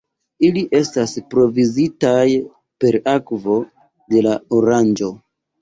Ili estas provizitaj per akvo de la Oranĝo.